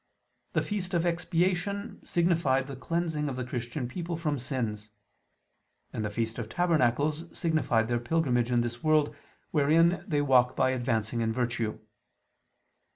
The feast of Expiation signified the cleansing of the Christian people from sins: and the feast of Tabernacles signified their pilgrimage in this world, wherein they walk by advancing in virtue.